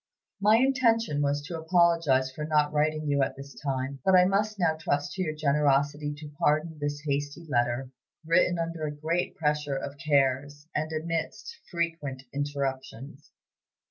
My intention was to apologize for not writing you at this time; but I must now trust to your generosity to pardon this hasty letter, written under a great pressure of cares and amidst frequent interruptions.